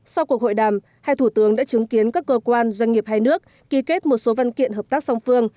sau cuộc hội đàm hai thủ tướng đã chứng kiến các cơ quan doanh nghiệp hai nước ký kết một số văn kiện hợp tác song phương